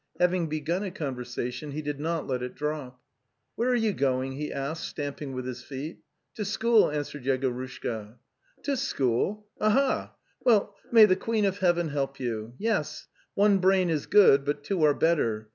Having begun a conversation, he did not let it drop. '" Where are you going?" he asked, stamping with his feet. 'To school," answered Yegorushka. To school?) Ahaly)..\.\\Well, may the Queen of Heaven help you. Yes. One brain is good, but two are better.